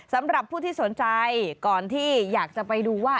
สำหรับผู้ที่สนใจก่อนที่อยากจะไปดูว่า